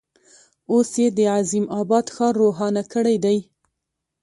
اوس یې د عظیم آباد ښار روښانه کړی دی.